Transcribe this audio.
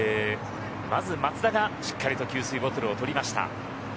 まず松田がしっかりと給水ボトルを取りました。